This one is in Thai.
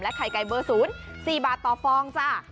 และไข่ไก่เบอร์ศูนย์๔บาทต่อฟองจ้ะ